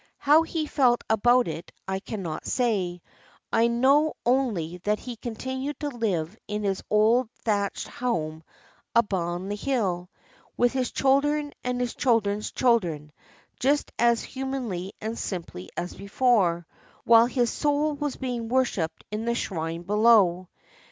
How he felt about it I cannot say; — I know only that he continued to live in his old thatched home upon the hill, with his children and his children's children, just as humanly and simply as before, while his soul was being worshiped in the shrine below.